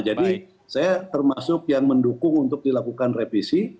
jadi saya termasuk yang mendukung untuk dilakukan revisi